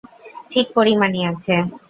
ঠিক পরিমাণই আছে।